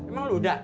emang lu udah